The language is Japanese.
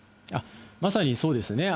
まさにそうですね。